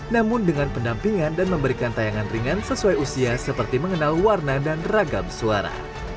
namun dengan pendampingan dan memberikan tayangan ringan sesuai usia seperti mengenal warna dan ragam suara